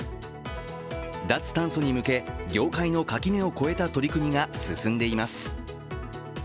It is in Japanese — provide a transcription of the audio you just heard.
脱炭素に向け、業界の垣根を越えた取り組みが進んでいます。